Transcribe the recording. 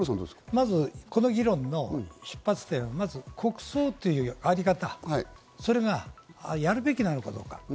まずこの議論の出発点は国葬というあり方、それがやるべきなのかどうか。